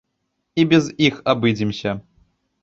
І без іх абыдземся!